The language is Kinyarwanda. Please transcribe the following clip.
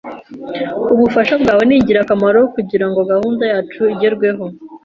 Ubufasha bwawe ningirakamaro kugirango gahunda yacu igerweho.